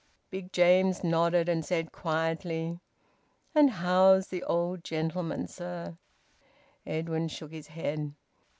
Big James nodded, and said quietly, "And how's the old gentleman, sir?" Edwin shook his head.